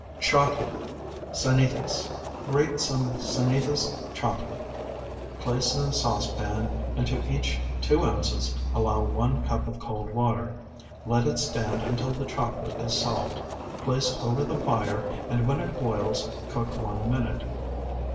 CHOCOLATE (Sanitas) Grate some Sanitas chocolate, place in a saucepan, and to each two ounces allow one cup of cold water. Let it stand until the chocolate is soft, place over the fire, and when it boils, cook one minute.